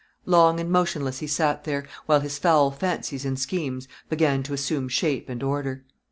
Long and motionless he sat there, while his foul fancies and schemes began to assume shape and order.